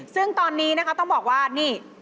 ซึ่งตอนนี้นะคะต้องบอกว่านี่